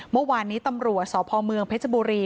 เมื่อวานนี้ตำรวจสพเมืองเพชรบุรี